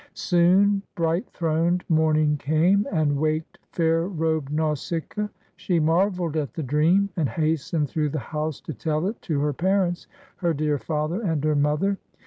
Soon bright throned morning came, and waked fair robed Nausicaa. She marveled at the dream, and has tened through the house to tell it to her parents, her dear father and her mother.